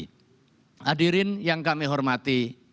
hadirin yang kami hormati